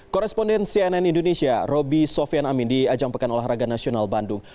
koresponden cnn indonesia roby sofian amin di ajang pekan olahraga nasional bandung